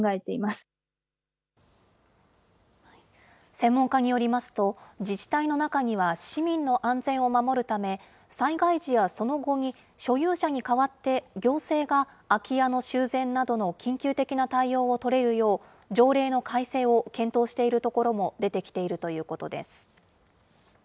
専門家によりますと、自治体の中には市民の安全を守るため、災害時やその後に、所有者に代わって行政が空き家の修繕などの緊急的な対応を取れるよう、条例の改正を検討している所も出てきているということです。